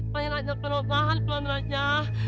pengen aja perubahan tuhan raja